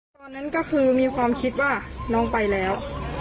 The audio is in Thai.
ตอนนั้นก็คือมีความคิดว่าน้องไปแล้ว